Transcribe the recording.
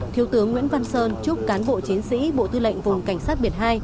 thiếu tướng nguyễn văn sơn chúc cán bộ chiến sĩ bộ tư lệnh vùng cảnh sát biển hai